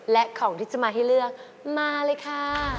และของที่จะมาให้เลือกมาเลยค่ะ